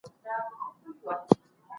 کلیسا نه غوښتل چي خلګ ازاد فکر وکړي.